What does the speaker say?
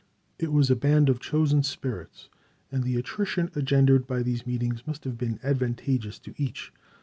It was a band of chosen spirits, and the attrition engendered by these meetings must have been advantageous to each.